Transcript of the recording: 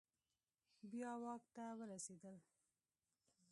بیا واک ته ورسیدل